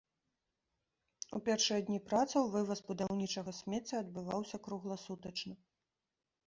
У першыя дні працаў вываз будаўнічага смецця адбываўся кругласутачна.